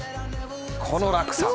この落差。